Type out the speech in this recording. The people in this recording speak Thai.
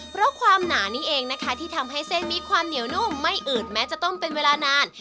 เพราะความหนานี่เองนะคะที่ทำให้เส้นมีความเหนียวนุ่มไม่อืดแม้จะต้มเป็นเวลานาน